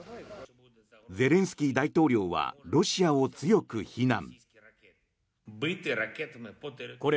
ゼレンスキー大統領はロシアを強く非難。